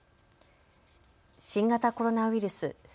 新型コロナウイルス。